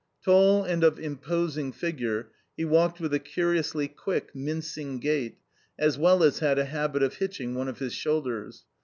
Tall and of imposing figure, he walked with a curiously quick, mincing gait, as well as had a habit of hitching one of his shoulders.